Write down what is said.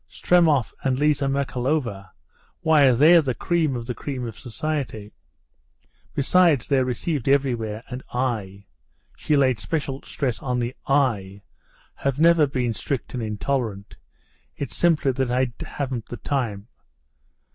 "Stremov and Liza Merkalova, why, they're the cream of the cream of society. Besides, they're received everywhere, and I"—she laid special stress on the I—"have never been strict and intolerant. It's simply that I haven't the time."